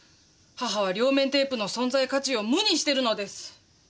母は両面テープの存在価値を無にしてるのです！